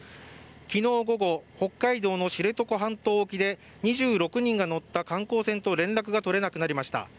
昨日午後、北海道の知床半島沖で、２６人が乗った観光船と連絡が取れなくなりました。